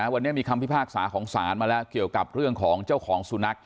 วันนี้มีคำพิพากษาของศาลมาแล้วเกี่ยวกับเรื่องของเจ้าของสุนัข